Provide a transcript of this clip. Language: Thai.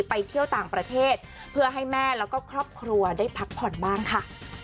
ไปเที่ยวต่างประเทศเพื่อให้แม่แล้วก็ครอบครัวได้พักผ่อนบ้างค่ะ